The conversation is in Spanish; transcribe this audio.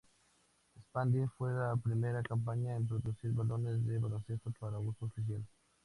Spalding fue la primera compañía en producir balones de baloncesto para uso oficial.